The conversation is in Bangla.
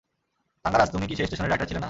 থাঙ্গারাজ, তুমি কী সেই স্টেশনের রাইটার ছিলে না?